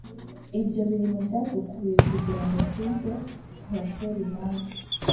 ibyo biri mu byadukuruye kugira ngo tuze tuhashore imari